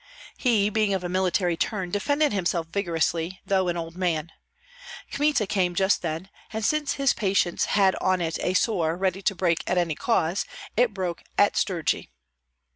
He, being of a military turn, defended himself vigorously, though an old man. Kmita came just then; and since his patience had on it a sore ready to break at any cause, it broke at Strugi.